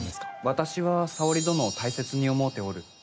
私は沙織殿を大切に思うておる。